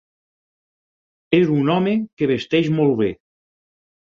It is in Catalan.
És un home que vesteix molt bé.